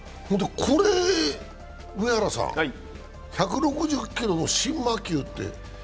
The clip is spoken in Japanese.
これ上原さん、１６０キロの新魔球って？